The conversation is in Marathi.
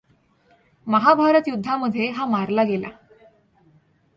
महाभारत युद्धामध्ये हा मारला गेला.